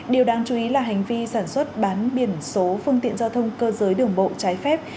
điều đáng chú ý là hành vi sản xuất bán biển số phương tiện giao thông cơ giới đường bộ trái phép